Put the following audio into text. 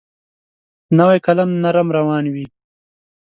نوی قلم نرم روان وي.